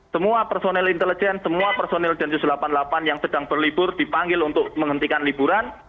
semua personel intelijen semua personil densus delapan puluh delapan yang sedang berlibur dipanggil untuk menghentikan liburan